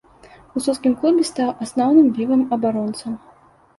У слуцкім клубе стаў асноўным левым абаронцам.